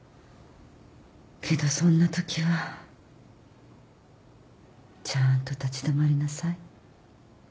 けどそんなときはちゃんと立ち止まりなさい。